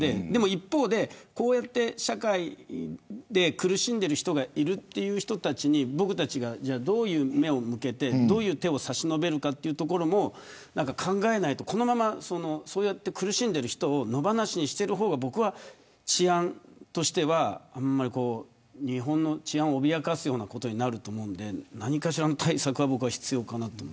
一方で、こうやって社会で苦しんでいる人たちに僕たちが、どういう目を向けてどういう手を差し伸べるかというところも考えないとこのまま苦しんでいる人を野放しにする方が僕は治安としては日本の治安を脅かすことになると思うので何かしらの対策は必要かなと。